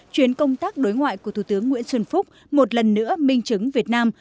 chuyến công tác đối ngoại của thủ tướng nguyễn xuân phúc một lần nữa minh chứng việt nam